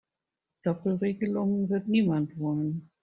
Doppelregelungen wird niemand wollen.